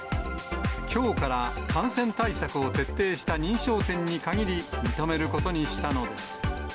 きょうから感染対策を徹底した認証店に限り、認めることにしたのです。